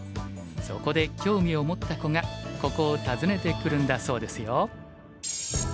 そこで興味を持った子がここを訪ねてくるんだそうですよ。